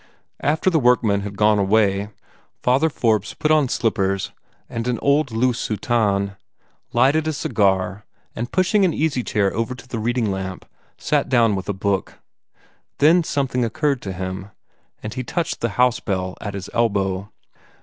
After the workman had gone away, Father Forbes put on slippers and an old loose soutane, lighted a cigar, and, pushing an easy chair over to the reading lamp, sat down with a book. Then something occurred to him, and he touched the house bell at his elbow.